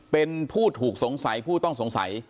เป็นผู้ถูกสงสัยผู้ต้องสงสัย